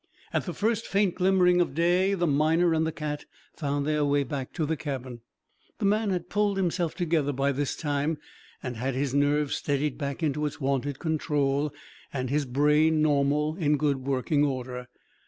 At the first faint glimmering of day, the miner and the cat found their way back to the cabin. The man had pulled himself together by this time and had his nerve steadied back into its wonted control and his brain normal, in good working order.